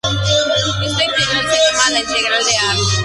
Esta integral se llama la integral de Haar.